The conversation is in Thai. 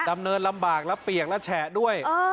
ดำเนินลำบากและเปียกและแฉะด้วย